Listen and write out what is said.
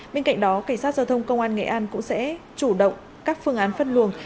bên cạnh đó cảnh sát giao thông công an nghệ an cũng sẽ chủ động các phương án phân luồng